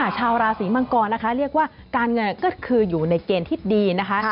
ชาวราศีมังกรนะคะเรียกว่าการเงินก็คืออยู่ในเกณฑ์ที่ดีนะคะ